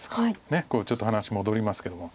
ねえちょっと話戻りますけども。